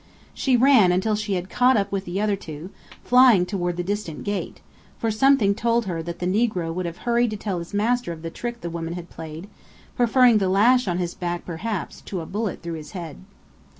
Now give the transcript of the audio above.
She ran until she had caught up with the other two, flying toward the distant gate; for something told her that the negro would have hurried to tell his master of the trick the women had played preferring the lash on his back perhaps, to a bullet through his head.